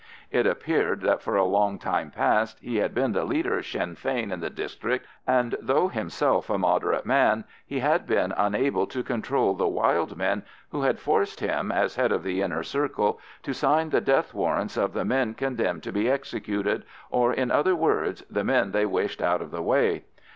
It appeared that for a long time past he had been the leader of Sinn Fein in that district, and though himself a moderate man, he had been unable to control the wild men, who had forced him, as head of the Inner Circle, to sign the death warrants of the men condemned to be "executed," or, in other words, the men they wished out of the way.